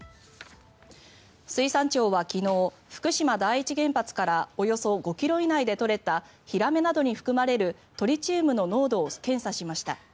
水産庁は昨日福島第一原発からおよそ５ｋｍ以内で取れたヒラメなどに含まれるトリチウムの濃度を検査しました。